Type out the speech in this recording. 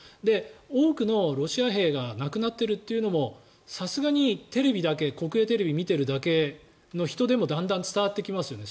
多くのロシア兵が亡くなっているというのもさすがにテレビだけ国営テレビだけ見ている人でもだんだん伝わってきますよね